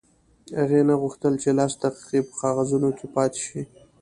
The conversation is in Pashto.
هغې نه غوښتل چې لس دقیقې په کاغذونو کې پاتې شي